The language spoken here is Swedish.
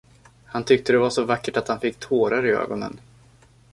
Han tyckte det var så vackert att han fick tårar i ögonen.